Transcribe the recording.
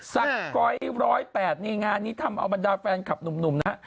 สกอย๑๐๘งานนี้ทำเอามาดาวแฟนคลับหนุ่มนะฮะ